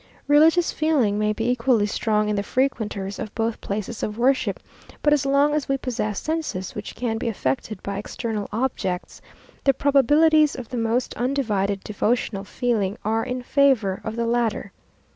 Religious feeling may be equally strong in the frequenters of both places of worship; but as long as we possess senses which can be affected by external objects, the probabilities of the most undivided devotional feeling are in favour of the latter.